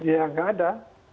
ya nggak ada